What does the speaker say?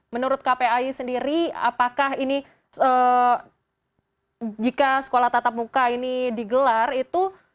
menurut kpai sendiri apakah ini jika sekolah tatap muka ini digelar itu